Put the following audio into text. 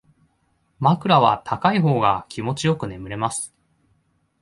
枕は高い方が気持ちよく眠れます